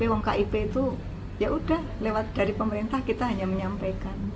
wong kip itu yaudah lewat dari pemerintah kita hanya menyampaikan